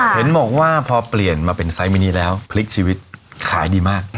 เห็นบอกว่าพอเปลี่ยนมาเป็นไซส์มินีแล้วพลิกชีวิตขายดีมาก